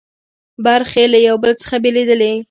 برخې له یو بل څخه بېلېدلې.